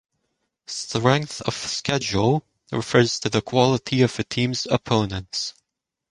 Strength of schedule refers to the quality of a team's opponents.